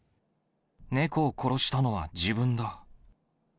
猫を殺したのは自分だ。